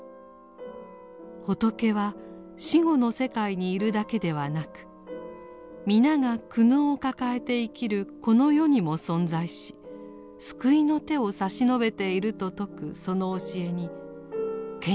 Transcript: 仏は死後の世界にいるだけではなく皆が苦悩を抱えて生きるこの世にも存在し救いの手を差し伸べていると説くその教えに賢治は強くひかれました。